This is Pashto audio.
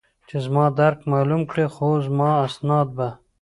چې زما درک معلوم کړي، خو زما اسناد به.